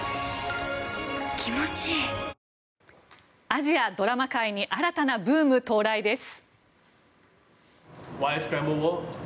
アジアドラマ界に新たなブーム到来です。